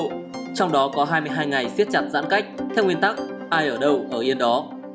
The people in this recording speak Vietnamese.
trong đó có hai mươi hai ngày siết chặt giãn cách theo nguyên tắc ai ở đâu ở yên đó